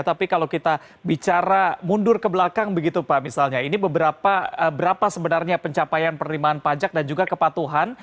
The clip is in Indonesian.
tapi kalau kita bicara mundur ke belakang begitu pak misalnya ini berapa sebenarnya pencapaian penerimaan pajak dan juga kepatuhan